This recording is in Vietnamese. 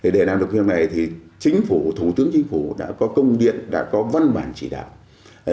để làm được như thế này thì thủ tướng chính phủ đã có công điện đã có văn bản chỉ đạo